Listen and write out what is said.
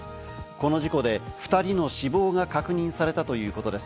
この事故で２人の死亡が確認されたということです。